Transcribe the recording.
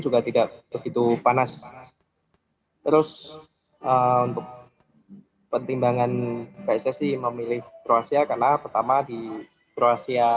juga tidak begitu panas terus untuk pertimbangan pssi memilih kroasia karena pertama di kroasia